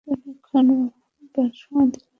আমিই নিজের শুভাশুভের কর্তা, আমিই শুদ্ধ ও আনন্দস্বরূপ।